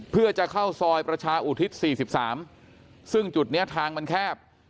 เพื่อจะเข้าซอยประชาอุทิศ๔๓ซึ่งจุดนี้ทางมันแคบ